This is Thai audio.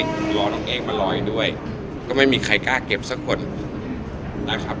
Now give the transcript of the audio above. รอน้องเกงมาลอยด้วยก็ไม่มีใครกล้าเก็บสักคนนะครับ